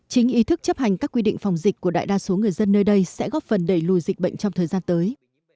chính ý thức chấp hành các quy định phòng dịch của đại đa số người dân nơi đây sẽ góp phần đẩy lùi dịch bệnh trong thời gian tới